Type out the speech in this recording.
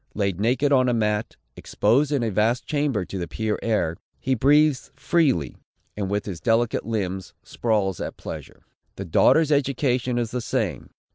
Laid naked on a mat, exposed in a vast chamber to the pure air, he breathes freely, and with his delicate limbs sprawls at pleasure. The daughter's education is the same.